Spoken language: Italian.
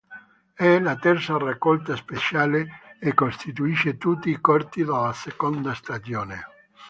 È la terza raccolta speciale e costituisce tutti i corti della seconda stagione.